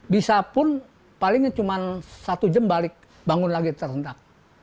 bisa pun palingnya cuma satu jam balik bangun lagi terhendak